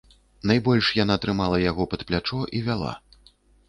Найбольш яна трымала яго пад плячо і вяла.